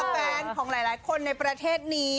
แฟนของหลายคนในประเทศนี้